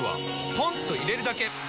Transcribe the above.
ポンと入れるだけ！